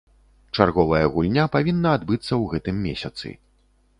Чарговая гульня павінна адбыцца ў гэтым месяцы.